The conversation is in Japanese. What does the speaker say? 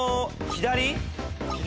・左？